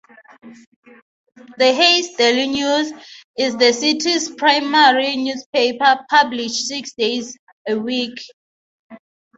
The "Hays Daily News" is the city's primary newspaper, published six days a week.